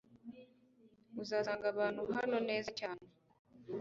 uzasanga abantu hano neza cyane